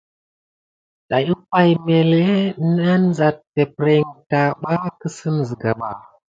Tane umpay məlé naŋ zate peppreŋ tabas kisime siga.